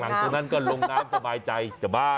ข้างหลังตรงนั้นก็ลงน้ำสบายใจจะบ้า